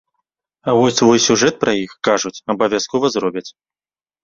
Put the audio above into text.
А вось свой сюжэт пра іх, кажуць, абавязкова зробяць.